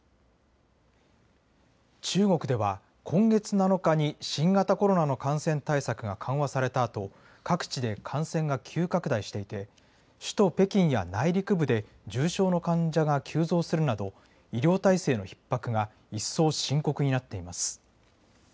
中国では、今月７日に新型コロナの感染対策が緩和されたあと、各地で感染が急拡大していて、首都北京や内陸部で重症の患者が急増するなど、医療体制のひっ迫が一層深刻になっています。